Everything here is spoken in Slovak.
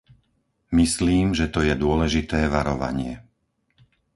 Myslím, že to je dôležité varovanie.